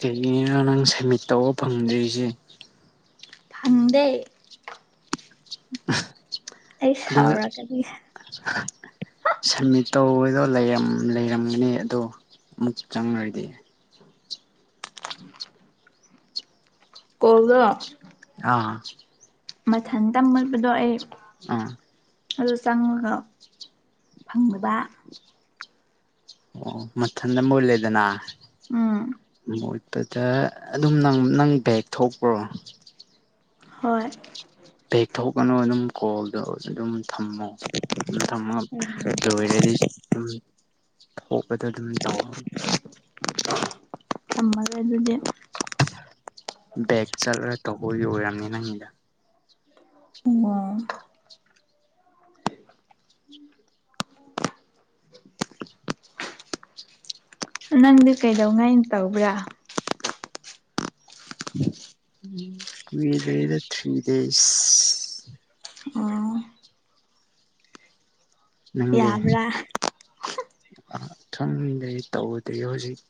ꯀꯔꯤꯅ ꯅꯪ ꯁꯦꯃꯤꯠ ꯇꯧꯕ ꯐꯪꯗ꯭ꯔꯤꯁꯦ ꯐꯪꯗꯦ ꯑꯩ ꯑꯗꯨ ꯁꯥꯎꯔꯛꯀꯅꯤ ꯁꯃꯤꯠ ꯇꯧꯕꯗꯣ ꯂꯩꯔꯝꯒꯅꯤ ꯑꯗꯣ ꯑꯃꯨꯛ ꯆꯪꯉꯨꯔꯗꯤ ꯀꯣꯜꯗꯣ ꯑꯥ ꯃꯊꯪ ꯇꯝꯃꯛꯕꯗꯣ ꯑꯩ ꯑꯥ ꯑꯗꯨ ꯆꯪꯉꯒ ꯐꯪꯗꯕ ꯑꯣ ꯃꯊꯟꯗ ꯃꯣꯏ ꯂꯩꯗꯅꯣꯏ ꯎꯝ ꯑꯗꯨꯗ ꯑꯗꯨꯝ ꯅꯪ ꯅꯪ ꯕꯦꯛ ꯊꯣꯛꯄ꯭ꯔꯣ ꯍꯣꯏ ꯕꯦꯛ ꯊꯣꯛꯀꯅꯨ ꯑꯗꯨꯝ ꯀꯣꯜꯗ ꯑꯗꯨꯝ ꯊꯝꯃꯣ ꯊꯝꯃ ꯂꯣꯏꯔꯗꯤ ꯑꯗꯨꯝ ꯍꯄꯗ ꯑꯗꯨꯝ ꯇꯥꯎꯔ ꯊꯃꯒ ꯑꯗꯨꯗꯤ ꯕꯦꯛ ꯆꯠꯂ ꯇꯧꯕ ꯑꯣꯏꯔꯝꯅꯤ ꯅꯪꯒꯤꯗ ꯑꯣ [inaudible] ꯅꯪꯗꯤ ꯀꯩꯗꯧꯉꯩꯅ ꯇꯧꯕ꯭ꯔꯥ ꯀꯨꯏꯗꯦꯗ ꯊ꯭ꯔꯤ ꯗꯦꯁ ꯑꯣ ꯌꯥꯕ꯭ꯔꯥ ꯊꯝꯗꯦ ꯇꯧꯗ꯭ꯔꯤꯌꯦ ꯍꯧꯖꯤꯛ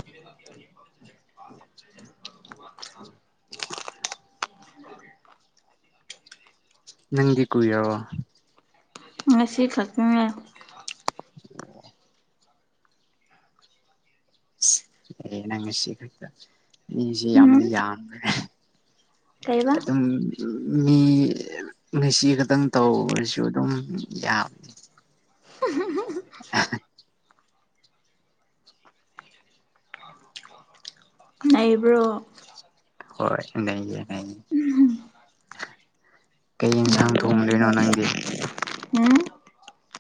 [inaudible] ꯅꯪꯒꯤ ꯀꯨꯏꯔꯕ ꯉꯁꯤ ꯈꯛꯇꯅꯦ ꯑꯣ ꯑꯦ ꯅꯪ ꯉꯁꯤ ꯈꯛꯇ ꯃꯤꯖꯤ ꯎꯝ ꯌꯥꯝꯗꯤ ꯌꯥꯝꯈ꯭ꯔꯦ꯫ ꯀꯩꯕ ꯑꯗꯨꯝ ꯃꯤ ꯉꯁꯤ ꯈꯛꯇꯪ ꯇꯧꯕꯁꯨ ꯑꯗꯨꯝ ꯌꯥꯝ [unintelligible] [unintelligible] [unintelligible] ꯅꯩꯕ꯭ꯔꯣ? ꯍꯣꯏ ꯅꯩꯌꯦ - ꯅꯩꯌꯦ ꯀꯩ ꯏꯟꯁꯥꯡ [unintelligible]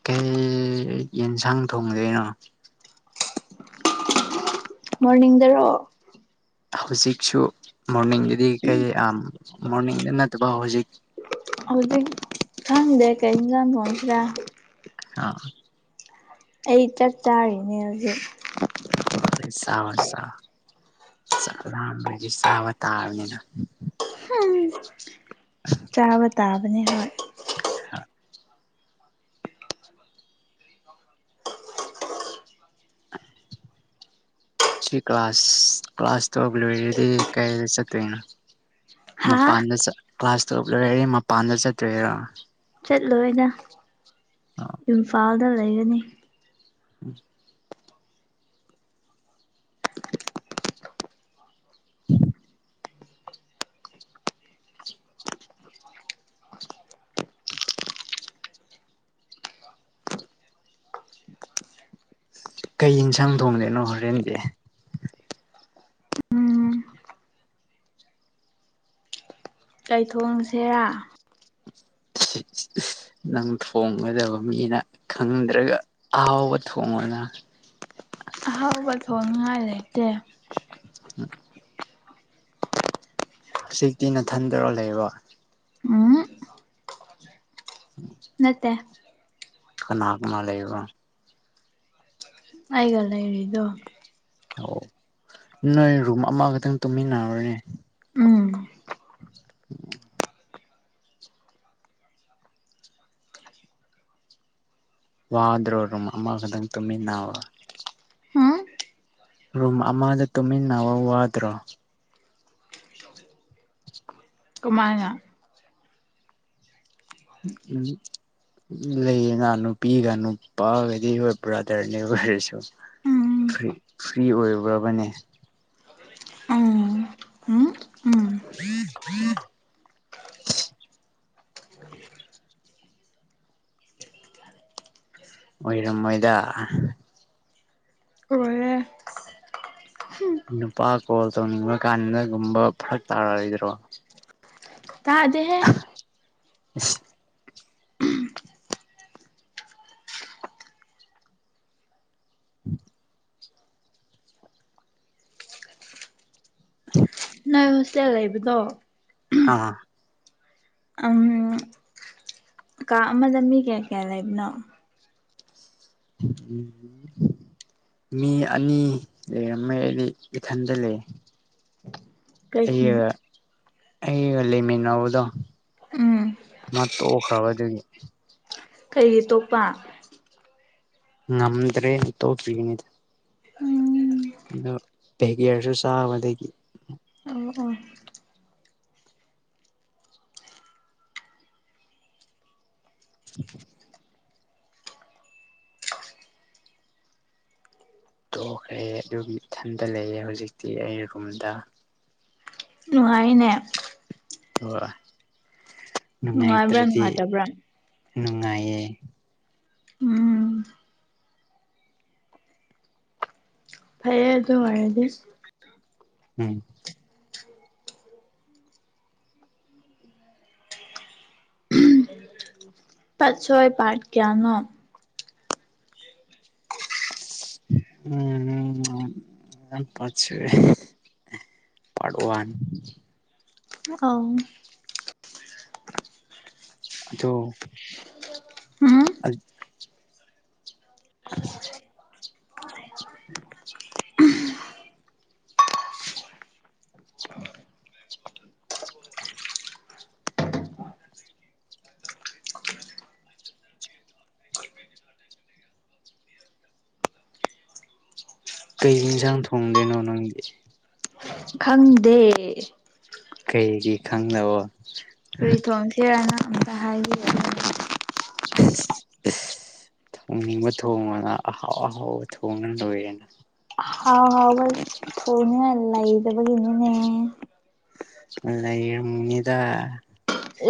ꯀꯩ ꯌꯦꯟꯁꯥꯡ ꯊꯣꯡꯗꯣꯏꯅꯣ? ꯃꯣꯔꯅꯤꯡꯗꯔꯣ? ꯍꯧꯖꯤꯛꯁꯨ ꯃꯣꯔꯅꯤꯡꯗꯗꯤ ꯀꯩ ꯑꯥꯝ ꯃꯣꯔꯅꯤꯡꯗ ꯅꯠꯇꯕ ꯍꯧꯖꯤꯛ꯫ ꯍꯧꯖꯤꯛ ꯈꯪꯗꯦ ꯀꯩ ꯏꯟꯖꯥꯡ ꯊꯣꯡꯁꯤꯔ꯫ ꯑ ꯑꯩ ꯆꯛ ꯆꯥꯔꯤꯅꯦ ꯍꯧꯖꯤꯛ꯫ ꯍꯣꯏ ꯆꯥꯔꯣ ꯆꯥꯔꯣ ꯆꯛ ꯂꯥꯝꯕꯒꯤ ꯆꯥꯕ ꯇꯥꯕꯅꯤꯅ꯫ ꯆꯥꯕ ꯇꯥꯕꯅꯤ ꯍꯣꯏ꯫ [unintelligible] ꯁꯤ ꯀ꯭ꯂꯥꯁ ꯀ꯭ꯂꯥꯁ ꯇꯧꯕꯤꯔꯣꯏꯗꯗꯤ ꯀꯥꯏꯗ ꯆꯠꯇꯣꯏꯅꯣ? ꯍꯥ ꯃꯄꯥꯟꯗ ꯆꯠ ꯀ꯭ꯂꯥꯁ ꯇꯨꯌꯦꯞ ꯂꯣꯏꯔꯦꯗꯤ ꯃꯄꯥꯟꯗ ꯆꯠꯇꯣꯏꯔ? ꯆꯠꯂꯣꯏꯗ ꯏꯝꯐꯥꯜꯗ ꯂꯩꯔꯅꯤ꯫ [unintelligible] ꯀꯩ ꯌꯦꯟꯁꯥꯡ ꯊꯣꯡꯗꯩꯅꯣ ꯍꯣꯔꯦꯟꯗꯤ? ꯎꯝ ꯀꯩꯊꯣꯡꯁꯦꯔꯥ? [unintelligible] ꯅꯪ ꯊꯣꯡꯒꯗꯕ ꯃꯤꯅ ꯈꯪꯗ꯭ꯔꯒ ꯑꯍꯥꯎꯕ ꯊꯣꯡꯉꯣꯅ꯫ ꯑꯍꯥꯎꯕ ꯊꯣꯡꯅꯤꯉꯥꯏ ꯂꯩꯇꯦ꯫ [unintelligible] ꯍꯧꯖꯤꯛꯇꯤ ꯅꯊꯟꯗꯔ ꯂꯩꯕ? ꯎꯝ [inaudible] ꯅꯠꯇꯦ ꯀꯅꯥ - ꯀꯅꯥ ꯂꯩꯕ꯭ꯔꯣ? ꯑꯩꯒ ꯂꯩꯔꯤꯗꯣ ꯑꯣ ꯅꯣꯏ ꯔꯨꯝ ꯑꯃꯈꯛꯇꯪ ꯇꯨꯝꯃꯤꯟꯅꯔꯦꯅꯦ ꯎꯝ [unintelligible] ꯋꯥꯗ꯭ꯔꯣ ꯔꯨꯝ ꯑꯃ ꯈꯛꯇꯪ ꯇꯨꯃꯤꯟꯅꯕ? ꯎꯝ ꯔꯨꯝ ꯑꯃꯗ ꯇꯨꯝꯃꯤꯟꯅꯕ ꯋꯥꯗ꯭ꯔꯣ? ꯀꯨꯃꯥꯏꯅ? ꯎꯝ ꯂꯩꯌꯦꯅ ꯅꯨꯄꯤꯒ ꯅꯨꯄꯥꯒꯗꯤ ꯍꯣꯏ ꯕ꯭ꯔꯥꯗꯔꯅꯦ ꯑꯣꯏꯔꯁꯨ ꯎꯝ ꯐ꯭ꯔꯤ ꯐ꯭ꯔꯤ ꯑꯣꯏꯕ꯭ꯔꯕꯅꯦ? ꯎꯝ ꯎꯝ ꯎꯝ [unintelligible] ꯑꯣꯏꯔꯝꯃꯣꯏꯗ ꯑꯣꯏꯌꯦ ꯅꯨꯄꯥ ꯀꯣꯜ ꯇꯧꯅꯤꯡꯕ ꯀꯥꯟꯗꯒꯨꯝꯕ ꯐꯔꯛ ꯇꯥꯔꯛꯔꯣꯏꯗ꯭ꯔꯣ? ꯇꯥꯗꯦꯍꯦ [unintelligible] [unintelligible] ꯅꯣꯏ ꯍꯣꯁꯇꯦꯜ ꯂꯩꯕꯗꯣ ꯍꯥ ꯑꯝ ꯀꯥ ꯑꯃꯗ ꯃꯤ ꯀꯌꯥ ꯀꯌꯥ ꯂꯩꯕꯅꯣ [inaudible] ꯃꯤ ꯑꯅꯤ ꯂꯩꯔꯝꯃꯦ ꯑꯩꯗꯤ ꯏꯊꯟꯗ ꯂꯩ [inaudible] ꯑꯩꯒ ꯑꯩꯒ ꯂꯩꯃꯤꯟꯅꯧꯕꯗꯣ ꯎꯝ ꯃꯥ ꯇꯣꯛꯈ꯭ꯔꯕꯗꯒꯤ ꯀꯩꯒꯤ ꯇꯣꯛꯄ ꯉꯝꯗ꯭ꯔꯦꯅ ꯇꯣꯛ ꯈꯤꯕꯅꯤꯗ ꯎꯝ ꯑꯗꯣ ꯄꯦꯒꯌꯔꯁꯨ ꯆꯥꯕꯗꯒꯤ ꯑꯣ ꯑꯣ [inaudible] ꯇꯣꯛꯈ꯭ꯔꯦ ꯑꯗꯨꯒꯤ ꯏꯊꯟꯇ ꯂꯩꯌꯦ ꯍꯧꯖꯤꯛꯇꯤ ꯑꯩ ꯔꯨꯝꯗ ꯅꯨꯡꯉꯥꯏꯅꯦ ꯑꯣ ꯅꯨꯡꯉꯥꯏꯕ꯭ꯔꯥ ꯅꯨꯡꯉꯥꯏꯇ꯭ꯔꯗꯤ ꯅꯨꯡꯉꯥꯏꯇꯕ꯭ꯔꯥ ꯅꯨꯡꯉꯥꯏꯌꯦ ꯎꯝ ꯐꯩꯌꯦ ꯑꯗꯨ ꯑꯣꯏꯔꯗꯤ ꯎꯝ [unintelligible] ꯄꯠꯁꯣꯏ ꯄꯥꯠ ꯀꯌꯥꯅꯣ ꯎꯝ ꯌꯥꯝ [unintelligible] ꯄꯥꯔꯠ ꯋꯥꯟ ꯑꯥꯎ ꯑꯗꯣ ꯎꯝ [inaudible] [inaudible] ꯀꯩ ꯏꯟꯁꯥꯡ ꯊꯣꯡꯗꯣꯏꯅꯣ ꯅꯪꯗꯤ ꯈꯪꯗꯦ ꯀꯩꯒꯤ ꯈꯪꯗꯕꯣ ꯀ꯭ꯔꯤ ꯊꯣꯡꯁꯤꯔꯅ ꯑꯃꯇ ꯍꯥꯏꯕꯤꯌꯣ [unintelligible] ꯊꯣꯡꯅꯤꯡꯕ ꯊꯣꯡꯑꯣꯅꯥ ꯑꯍꯥꯎ ꯑꯍꯥꯎꯕ ꯊꯣꯡꯅ ꯂꯣꯏꯔꯦꯅ ꯍꯥꯎ ꯍꯥꯎꯕ ꯊꯣꯡꯅꯤꯡꯉꯥꯏ ꯂꯩꯇꯕꯒꯤꯅꯤꯅꯦ ꯂꯩꯔꯝ ꯃꯤꯗ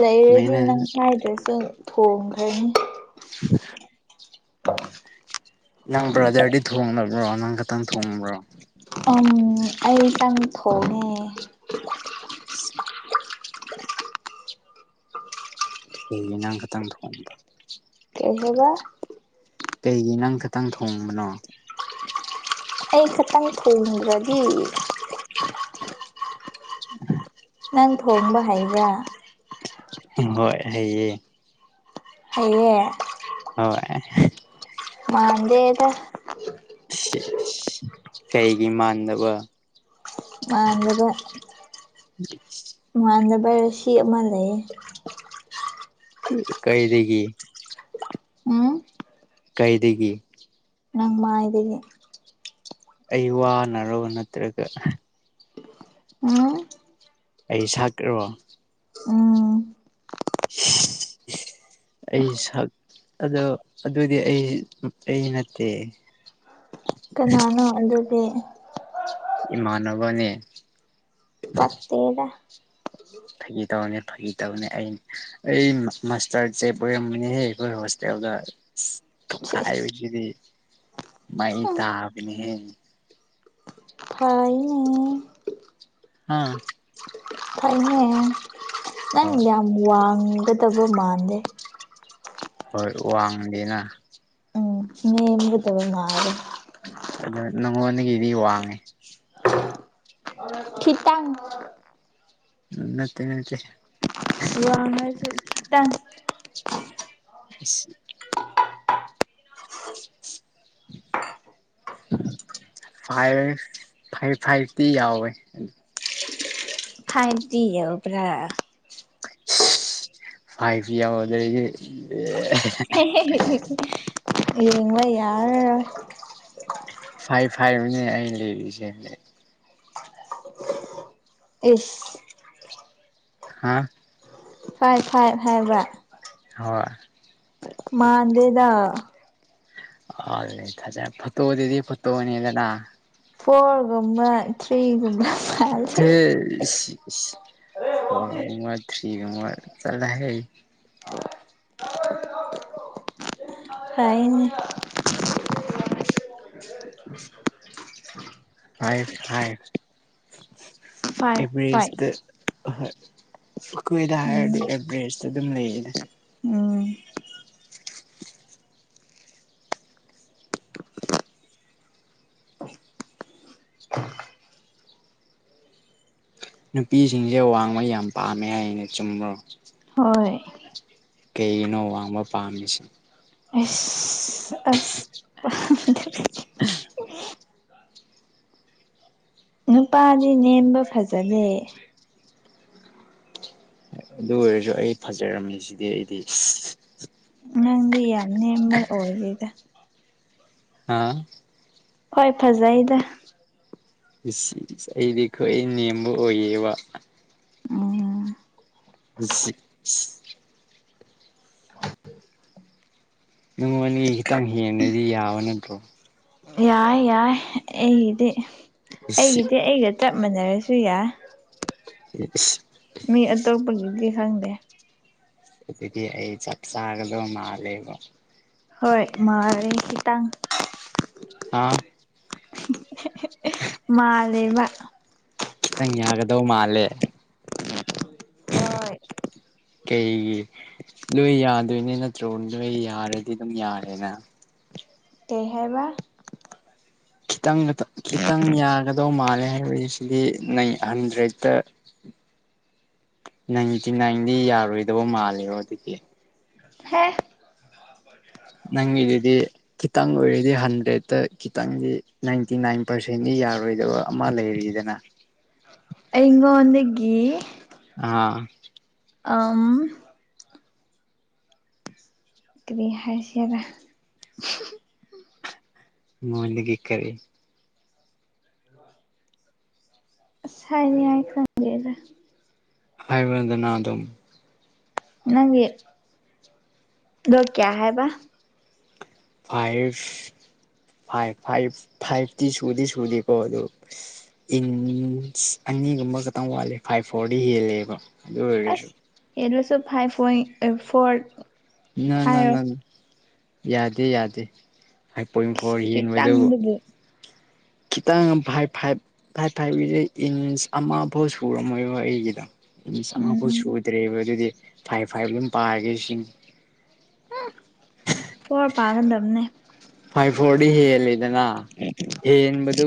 ꯂꯩꯔꯗꯤ ꯅꯪ ꯍꯥꯏꯗ꯭ꯔꯁꯨ ꯊꯣꯡꯈ꯭ꯔꯅꯤ [inaudible] [inaudible] ꯅꯪ ꯕ꯭ꯔꯗꯔꯗꯤ ꯊꯣꯡ [unintelligible] ꯅꯪ ꯈꯛꯇꯪ ꯊꯣꯡꯕ꯭ꯔꯣ ꯎꯝ ꯑꯩꯇꯪ ꯊꯣꯡꯉꯦ [inaudible] ꯀꯩꯒꯤꯅꯪ ꯈꯇꯪ ꯊꯣꯡꯕ ꯀꯩ ꯍꯥꯏꯕ ꯀꯩꯒꯤ ꯅꯪ ꯈꯥꯛꯇꯪ ꯊꯣꯡꯕꯅꯣ ꯑꯩ ꯈꯇꯪ ꯊꯣꯡꯗ꯭ꯔꯗꯤ [inaudible] ꯅꯪ ꯊꯣꯡꯕ ꯍꯩꯕ꯭ꯔꯥ ꯍꯣꯏ ꯍꯩꯌꯦ ꯍꯩꯌꯦ ꯍꯣꯏ ꯃꯗꯦꯗ ꯀꯩꯒꯤ ꯃꯥꯟꯗꯕ ꯃꯥꯟꯕ ꯃꯥꯟꯗꯅꯕ ꯔꯁꯤ ꯑꯃ ꯂꯩꯌꯦ ꯀꯩꯏꯔꯤꯒꯤ ꯎꯝ ꯀꯩꯗꯒꯤ ꯅꯪ ꯃꯥꯗꯒꯤ ꯑꯩ ꯋꯥꯅꯔꯕ ꯅꯠꯇ꯭ꯔꯒ ꯎꯝ ꯑꯩ ꯁꯛ꯭ꯔꯣ ꯎꯝ [unintelligible] ꯑꯩ ꯁꯛ ꯑꯗꯣ ꯑꯗꯨꯗꯤ ꯑꯩ ꯑꯩ ꯅꯠꯇꯦ ꯀꯅꯥꯅꯣ ꯑꯗꯨꯒꯤ ꯏꯃꯅꯅꯕꯅꯦ ꯄꯠꯇꯦꯗ ꯐꯥꯒꯤ ꯇꯧꯔꯅꯤ ꯐꯥꯒꯤ ꯇꯧꯅꯦ ꯑꯩ ꯑꯩ ꯃꯥꯁꯇꯔꯁꯦꯞ ꯑꯣꯏꯔꯝꯝꯕꯅꯤꯍꯦ ꯑꯩꯈꯣꯏ ꯍꯣꯁꯇꯦꯜꯗ ꯈꯥꯏꯕꯁꯤꯗꯤ ꯃ ꯇꯥꯕꯅꯤ ꯍꯥꯏꯥꯏꯅꯤ ꯑꯥ ꯊꯛꯅꯦ ꯅꯪ ꯌꯥꯝ ꯋꯥꯡꯒꯗꯕ ꯃꯥꯟꯗꯦ ꯍꯣꯏ ꯋꯥꯡꯗꯦꯅ ꯃꯕꯨ ꯇꯕꯃꯔ ꯑꯗꯣ ꯅꯪꯉꯣꯟꯗꯒꯤꯗꯤ ꯋꯥꯡꯉꯦ ꯈꯤꯇꯪ ꯅꯠꯇꯦ ꯅꯠꯇꯦ ꯋꯥꯡ ꯉꯁꯨ ꯇꯪ [unintelligible] ꯐꯥꯏꯚ ꯐꯥꯏꯚ ꯐꯥꯏꯚꯇꯤ ꯌꯥꯎꯋꯦ ꯐꯥꯏꯗꯤ ꯌꯧꯕ꯭ꯔꯥ ꯐꯥꯏꯚ ꯌꯧꯗꯔꯗꯤ ꯍꯌ‌ꯦꯡꯋꯥꯏ ꯌꯥꯔꯔꫭꯏ ꯐꯥꯏꯚ ꯐꯥꯏꯅꯦ ꯑꯩ ꯂꯩꯔꯤꯁꯦ ꯏꯁ ꯍꯥꯥ ꯐꯥꯏꯚ ꯐꯥꯏꯚ ꯍꯥꯏꯕ ꯍꯣꯏ ꯃꯥꯗꯦꯗ ꯑ ꯊꯖꯦ ꯐꯣꯇꯣꯗꯨꯗꯤ ꯐꯣꯇꯣꯅꯤꯗꯅ ꯐꯣꯔꯒꯨꯝꯕ ꯊ꯭ꯔꯤꯒꯨꯝꯕ ꯃꯥꯜꯂꯦ [unintelligible] ꯐꯣꯔꯒꯨꯝꯕ ꯊ꯭ꯔꯤꯒꯨꯝꯕ ꯆꯠꯂꯍꯦ ꯐꯌꯦꯅꯦ ꯐꯥꯏꯚ ꯐꯥꯏꯚ ꯐꯥꯏꯚ ꯑꯦꯚꯔꯦꯖꯇ ꯐꯥꯏꯚ ꯑꯩꯈꯣꯏꯗ ꯎꯝ ꯍꯥꯏꯔꯗꯤ ꯑꯦꯚꯔꯦꯁ ꯑꯗꯨꯝ ꯂꯩꯌꯦ ꯎꯝ [unintelligible] ꯅꯨꯄꯤꯁꯤꯡꯁꯦ ꯋꯥꯡꯃ ꯌꯥꯝ ꯄꯥꯝꯃꯦ ꯍꯥꯏ ꯑꯩꯅ ꯆꯨꯝꯕ꯭ꯔꯣ ꯍꯣꯏ ꯀꯩꯅꯣ ꯋꯥꯡꯕ ꯄꯥꯝꯃꯤꯁꯦ ꯑꯁ ꯑꯁ [unintelligible] [unintelligible] ꯅꯨꯄꯥꯗꯤ ꯅꯦꯝꯕ ꯐꯖꯗꯦ ꯑꯗꯨ ꯑꯣꯏꯔꯁꯨ ꯑꯩ ꯐꯖꯔꯝꯃꯤ ꯁꯤꯗꯤ ꯑꯩꯗꯤ ꯗꯤ ꯌꯥꯝ ꯅꯦꯝꯕ ꯑꯣꯏꯗ‌ꯦꯗ ꯍꯥꯥ ꯍꯣꯏ ꯐꯖꯩꯗ ꯏꯂ ꯑꯩꯗꯤ ꯈ꯭ꯋꯥꯏ ꯅꯦꯝꯕ ꯑꯣꯏꯌꯦꯕ ꯑꯣ [unintelligible] [unintelligible] ꯅꯉꯣꯟꯗꯒꯤ ꯈꯤꯇꯪ ꯍꯦꯟꯂꯗꯤ ꯌꯥꯕ ꯅꯠꯇ꯭ꯔꯣ ꯌꯥꯏ ꯌꯥꯏ ꯑꯩꯒꯤꯗꯤ ꯑꯩꯒꯤꯗꯤ ꯑꯩꯒ ꯆꯞ ꯃꯟꯅꯔꯁꯨ ꯌꯥꯏ ꯏꯁ ꯃꯤ ꯑꯇꯣꯞꯄꯒꯤꯗꯤ ꯈꯪꯗꯦ ꯑꯗꯨꯗꯤ ꯑꯩ ꯆꯞ ꯆꯥꯒꯗꯕ ꯃꯥꯜꯂꯦꯕ ꯍꯣꯏ ꯃꯥꯂ‌ꯦ ꯈꯤꯇꯡ ꯍꯥꯥ ꯃꯥꯂꯦꯕ ꯈꯤꯇꯪ ꯌꯥꯒꯗꯧ ꯃꯥꯜꯂꯦ ꯍꯣꯏ ꯀꯩꯒꯤ ꯂꯣꯏ ꯌꯥꯗꯣꯏꯅꯦ ꯅꯠꯇ꯭ꯔꯣ ꯅꯣꯏ ꯌꯥꯔꯗꯤ ꯑꯗꯨꯝ ꯌꯥꯔꯦꯅ ꯀꯩ ꯍꯥꯏꯕ ꯈꯤꯇꯪ ꯈꯤꯇꯪ ꯌꯥꯒꯗꯧ ꯃꯥꯜꯂꯦ ꯍꯥꯏꯕꯁꯤꯗꯤ ꯅꯪ ꯍꯟꯗ꯭ꯔꯦꯠꯇ ꯅꯥꯏꯟꯇꯤ ꯅꯥꯏꯟꯗꯤ ꯌꯥꯔꯣꯏꯗꯕ ꯃꯥꯜꯂꯦꯕ ꯑꯗꯨꯒꯤ ꯍ‌ꯦ ꯅꯪꯒꯤꯗꯨꯗꯤ ꯈꯤꯇꯪ ꯑꯣꯏꯔꯗꯤ ꯍꯟꯗ꯭ꯔꯦꯗꯠꯇ ꯈꯤꯇꯪꯗꯤ ꯅꯥꯏꯟꯇꯤ ꯅꯥꯏꯟ ꯄꯥꯔꯁꯦꯟꯗꯤ ꯌꯥꯔꯣꯏꯗꯕ ꯑꯃ ꯂꯩꯔꯤꯗꯅ ꯑꯩꯉꯣꯟꯗꯒꯤ ꯑꯥ ꯑꯝ ꯀꯔꯤ ꯍꯥꯏꯁꯤꯔꯥ ꯃꯣꯏꯗꯒꯤ ꯀꯔꯤ ꯑꯁ ꯍꯥꯏꯅꯤꯈꯥꯏ ꯈꯪꯗꯦꯗ ꯍꯥꯏꯕꯗꯅ ꯑꯗꯨꯝ ꯅꯪꯒꯤ ꯑꯗꫭ ꯀꯌꯥ ꯍꯥꯏꯕ ꯐꯥꯏꯚ ꯐꯥꯏꯚ ꯐꯥꯏꯚ ꯐꯥꯏꯚꯇꯤ ꯁꯨꯗꯤ ꯁꯨꯗꯦꯀꯣ ꯑꯗꯨ ꯏꯟꯁ ꯑꯅꯤꯒꯨꯝꯕ ꯈꯇꯪ ꯋꯥꯠꯂꯦ ꯐꯥꯏꯚ ꯐꯣꯔꯗꯤ ꯍꯦꯜꯂꯦꯕ ꯑꯗꯨ ꯑꯣꯏꯔꯁꯨ ꯑꯁ ꯍꯦꯜꯂꯁꯨ ꯐꯥꯏꯚ ꯄꯣꯏꯟ ꯐꯣꯔ ꯅ ꯅ ꯍꯥꯏꯔꯣ ꯅ ꯌꯥꯗꯦ ꯌꯥꯗꯦ ꯍꯥꯏ ꯄꯣꯏꯟ ꯐꯣꯔ ꯍꯦꯟꯕ ꯗꯨꯕꯨ ꯈꯤꯇꯪꯗꯨꯕꯨ ꯈꯤꯇꯪ ꯐꯥꯏꯚ ꯐꯥꯏꯚ ꯐꯥꯏꯚ ꯐꯥꯏꯚꯒꯤꯁꯦ ꯏꯟꯁ ꯑꯃꯐꯥꯎ ꯁꯨꯔꯝꯃꯣꯏꯕ ꯑꯩꯒꯤꯗꯣ ꯏꯟꯁ ꯑꯃꯐꯥꯎ ꯎꯝ ꯁꯨꯗ꯭ꯔꯦꯕ ꯑꯗꯨꯗꯤ ꯐꯥꯏꯚ ꯐꯥꯏꯚ ꯑꯗꯨꯝ ꯄꯥꯔꯒꯦ ꯁꯤꯅꯤ ꯐꯣꯔ ꯄꯥꯒꯟꯗꯕꯅꯦ ꯐꯥꯏꯚ ꯐꯣꯔꯗꯤ ꯍꯦꯜꯂꯤꯗꯅ ꯍꯦꯟꯕꯗꯨ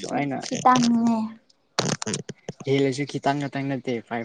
ꯁꯨꯃꯥꯏꯅ ꯄꯡꯉꯦ ꯍꯦꯜꯂꯁꯨ ꯈꯤꯇꯪ ꯉꯥꯛꯇꯪ ꯅꯠꯇꯦ ꯐꯥꯏꯕ